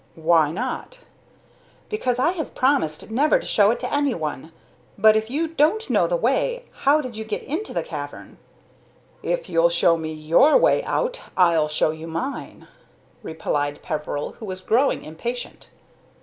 "Why not?" "Because I have promised never to show it to any one. But, if you don't know the way, how did you get into the cavern?" "If you'll show me your way out, I'll show you mine," replied Peveril, who was growing impatient.